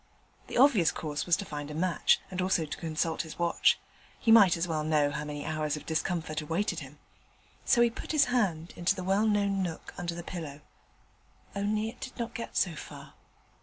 The obvious course was to find a match, and also to consult his watch: he might as well know how many hours of discomfort awaited him. So he put his hand into the well known nook under the pillow: only, it did not get so far.